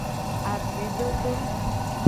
Abuidodo.